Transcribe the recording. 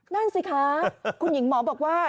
นั่นสิคะคุณหญิงหมอบอกว่า